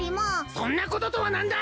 そんなこととはなんだ！